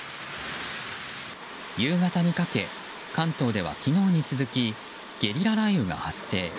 夕方にかけ関東では昨日に続きゲリラ雷雨が発生。